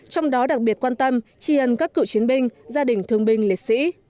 trong đó đặc biệt quan tâm chi hân các cựu chiến binh gia đình thương binh lịch sĩ